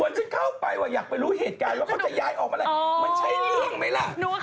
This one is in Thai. เอาฉันเข้าไปด้วยไงฉันก็เลยต้องทำแบบบ้าผู้ชายไง